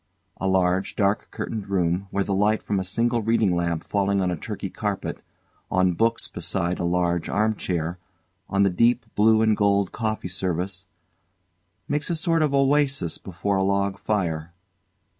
A large, dark curtained room where the light from a single reading lamp falling on Turkey carpet, on books beside a large armchair, on the deep blue and gold coffee service, makes a sort of oasis before a log fire.